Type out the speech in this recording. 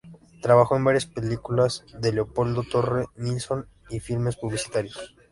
Trabajó en varias películas de Leopoldo Torre Nilsson y en filmes publicitarios.